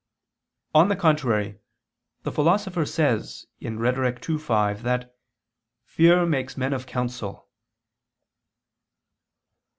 On the contrary, The Philosopher says (Rhet. ii, 5) that "fear makes men of counsel."